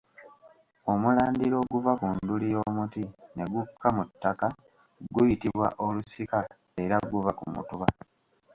Omulandira oguva ku nduli y’omuti ne gukka mu ttaka guyitibwa Olusika era guva ku Mutuba.